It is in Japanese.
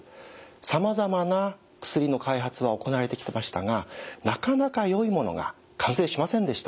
さまざまな薬の開発は行われてきましたがなかなかよいものが完成しませんでした。